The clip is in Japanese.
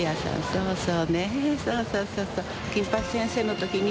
そうそうそうそう。